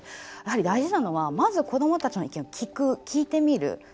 大事なのは、まず子どもたちの意見を聞いてみる。